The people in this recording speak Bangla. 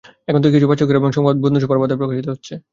এখান থেকে কিছু বাছাই ছবি এবং সংবাদ বন্ধুসভার পাতায় প্রকাশিত হচ্ছে।